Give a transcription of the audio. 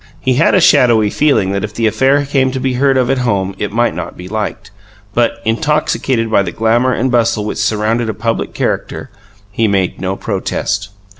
He had a shadowy feeling that if the affair came to be heard of at home it might not be liked, but, intoxicated by the glamour and bustle which surround a public character, he made no protest.